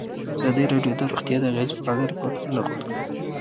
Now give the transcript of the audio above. ازادي راډیو د روغتیا د اغېزو په اړه ریپوټونه راغونډ کړي.